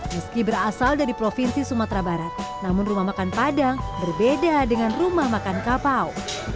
meski berasal dari provinsi sumatera barat namun rumah makan padang berbeda dengan rumah makan kapau